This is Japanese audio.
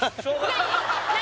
何？